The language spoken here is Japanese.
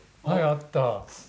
はいあった。